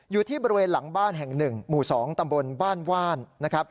อยู่ที่บริเวณหลังบ้านแห่ง๑หมู่๒ตำบลบ้านว่านนะครับ